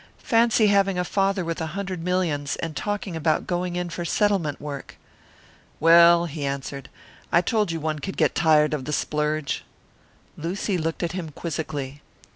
"Fancy having a father with a hundred millions, and talking about going in for settlement work!" "Well," he answered, "I told you one could get tired of the splurge." Lucy looked at him quizzically.